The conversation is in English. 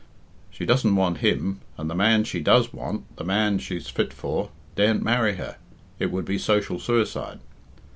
She doesn't want him, and the man she does want the man she's fit for daren't marry her; it would be social suicide."